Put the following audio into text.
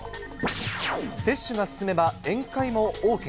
接種が進めば宴会もＯＫ？